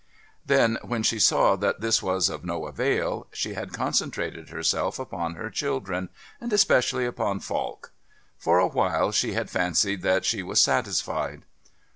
Then, when she saw that this was of no avail, she had concentrated herself upon her children, and especially upon Falk. For a while she had fancied that she was satisfied.